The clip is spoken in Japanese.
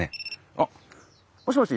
あっもしもし？